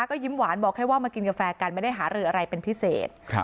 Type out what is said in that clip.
ก็ยิ้มหวานบอกแค่ว่ามากินกาแฟกันไม่ได้หารืออะไรเป็นพิเศษ